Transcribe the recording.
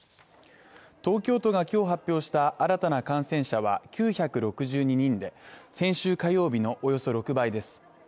東京都が今日発表した新たな感染者は９６２人で先週火曜日のおよそ６倍です。